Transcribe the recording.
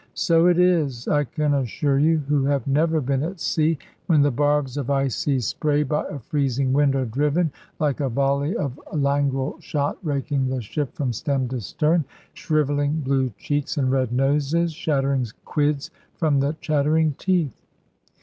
So it is, I can assure you, who have never been at sea, when the barbs of icy spray by a freezing wind are driven, like a volley of langrel shot raking the ship from stem to stern, shrivelling blue cheeks and red noses, shattering quids from the chattering teeth.